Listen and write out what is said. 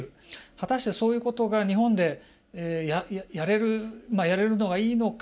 果たして、そういうことが日本でやれるのがいいのか。